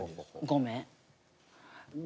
ごめん。